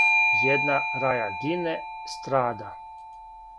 Јадна раја гине, страда.